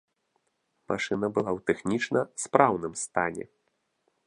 Машына была ў тэхнічна спраўным стане.